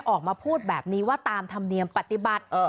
ออกมาพูดแบบนี้ว่าตามธรรมเนียมปฏิบัติ